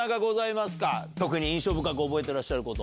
印象深く覚えてらっしゃること。